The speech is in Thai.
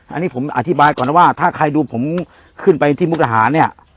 อันนี้ผมอธิบายก่อนนะว่าถ้าใครดูผมขึ้นไปที่มุกดาหารเนี่ย